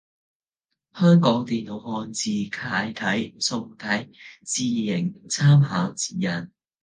香港電腦漢字楷體宋體字形參考指引